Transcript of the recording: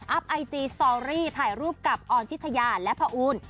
ไอจีสตอรี่ถ่ายรูปกับออนทิชยาและพระอูล